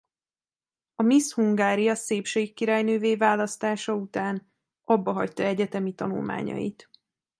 A Miss Hungária szépségkirálynővé választása után abbahagyta egyetemi tanulmányait.